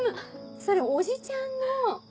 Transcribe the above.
それおじちゃんの！